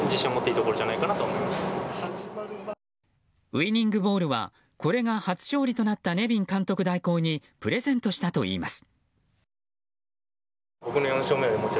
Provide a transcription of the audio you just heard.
ウイニングボールはこれが初勝利となったネビン監督代行にプレゼントしたといいます。